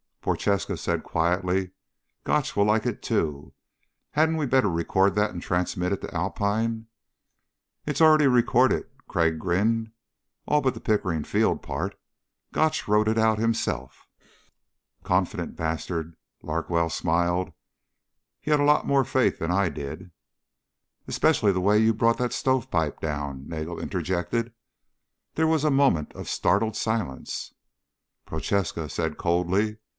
Prochaska said quietly, "Gotch will like it, too. Hadn't we better record that and transmit it to Alpine?" "It's already recorded." Crag grinned. "All but the Pickering Field part. Gotch wrote it out himself." "Confident bastard." Larkwell smiled. "He had a lot more faith than I did." "Especially the way you brought that stovepipe down," Nagel interjected. There was a moment of startled silence. Prochaska said coldly.